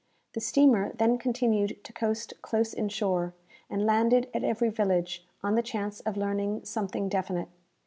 The steamer then continued to coast close in shore, and landed at every village, on the chance of learning something definite.